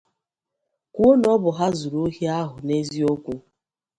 kwuo na ọ bụ ha zuru ohi ahụ n'eziokwu.